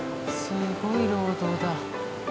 すごい労働だ。